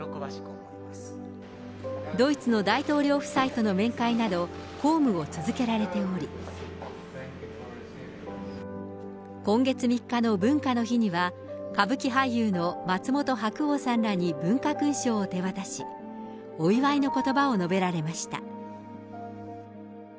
ドイツの大統領夫妻との面会など、公務を続けられており、今月３日の文化の日には、歌舞伎俳優の松本白鸚さんらに文化勲章を手渡し、お祝いのことばを述べられました。